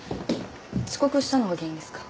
遅刻したのが原因ですか？